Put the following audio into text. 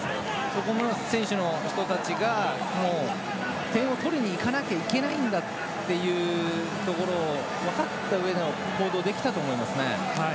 そこを選手が、点を取りにいかないといけないというところ分かったうえでの行動をできたと思いますね。